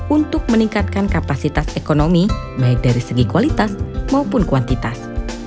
untuk meningkatkan kapasitas ekonomi baik dari segi kualitas maupun kuantitas